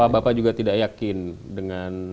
bapak juga tidak yakin dengan